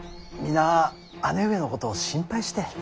皆姉上のことを心配して。